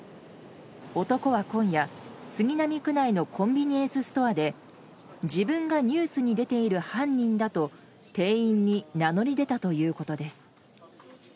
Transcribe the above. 男は今夜、杉並区内のコンビニエンスストアで自分がニュースに出ている犯人だと店員に名乗り出たということです。